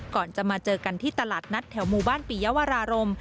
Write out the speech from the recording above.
ก่อนจะมาเจอกันที่ตลาดนัดแถวหมู่บ้านปียวรารม